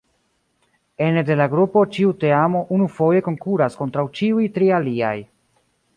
Ene de la grupo ĉiu teamo unufoje konkuras kontraŭ ĉiuj tri aliaj.